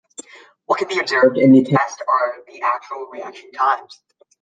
What can be observed in the test are the actual reaction times.